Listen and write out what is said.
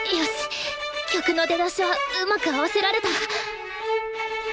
曲の出だしはうまく合わせられた！